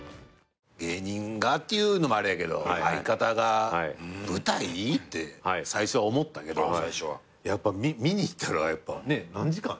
芸人がっていうのもあれやけど相方が舞台？って最初は思ったけどやっぱ見に行ったら何時間？